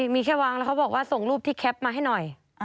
มีแค่วางแล้วเขาบอกว่าส่งรูปที่แคปมาให้หน่อย